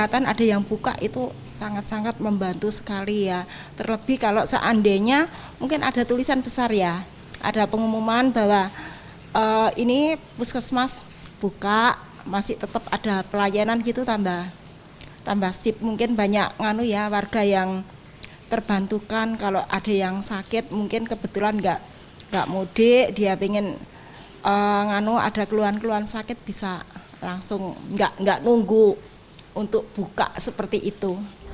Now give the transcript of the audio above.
tidak mudik dia ingin ada keluhan keluhan sakit bisa langsung tidak menunggu untuk buka seperti itu